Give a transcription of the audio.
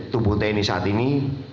tubuh tni saat ini